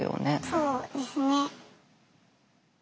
そうですね。